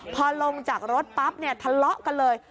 พอลงจากรถปั๊บเนี่ยทะเลาะกันเลย